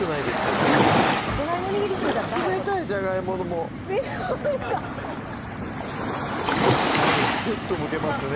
もうじゃがいも握り締めたら暖を冷たいじゃがいももあっでもスッとむけますね